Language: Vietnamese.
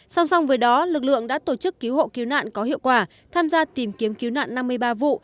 song song với đó lực lượng đã tổ chức cứu hộ cứu nạn có hiệu quả tham gia tìm kiếm cứu nạn năm mươi ba vụ